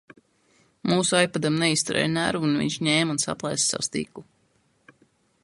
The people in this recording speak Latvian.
Mūsu ipadam neizturēja nervi un viņš ņēma un saplēsa sev stiklu.